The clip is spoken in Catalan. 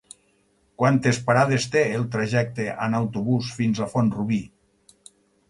Quantes parades té el trajecte en autobús fins a Font-rubí?